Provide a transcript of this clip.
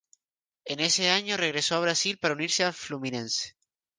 En ese año regresó a Brasil para unirse al Fluminense.